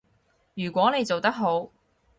如果你做得好